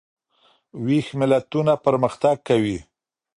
ویښ ملتونه پرمختګ کوي.